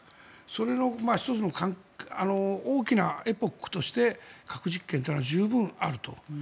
それの１つの大きなエポックとして核実験というのは十分あると。